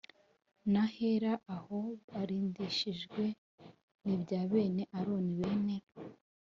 n Ahera aho barindishijwe n ibya bene Aroni bene